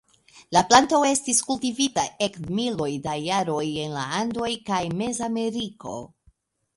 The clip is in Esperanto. La planto estis kultivita ekde miloj da jaroj en la Andoj kaj Mezameriko.